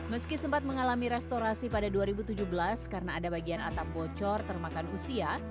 meski sempat mengalami restorasi pada dua ribu tujuh belas karena ada bagian atap bocor termakan usia